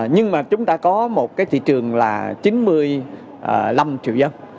nhưng mà chúng ta có một cái thị trường là chín mươi năm triệu dân